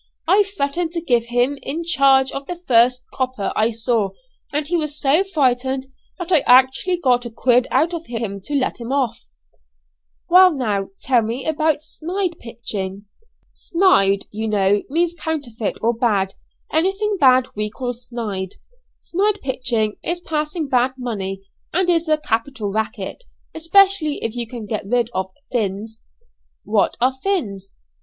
I threatened to give him in charge of the first 'copper' I saw; and he was so frightened that I actually got a 'quid' out of him to let him off." Watch. Purse. "Well now, tell me about 'snyde pitching.'" "Snyde, you know, means counterfeit or bad, anything bad we call snydey. Snyde pitching is passing bad money; and is a capital racket, especially if you can get rid of 'fins.'" "What are 'fins?'"